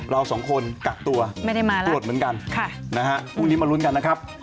เราสองคนกัดตัวหลดเหมือนกันพรุ่งนี้มารุ้นกันนะครับ